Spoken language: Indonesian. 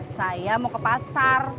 saya mau ke pasar